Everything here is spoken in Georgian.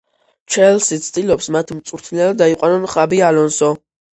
ჩელსი ცდილობს მათ მწვრთნელად აიყვანონ ხაბი ალონსო